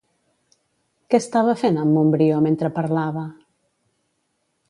Què estava fent en Montbrió mentre parlava?